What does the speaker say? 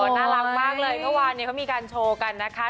น่ารักมากเลยเมื่อวานเขามีการโชว์กันนะคะ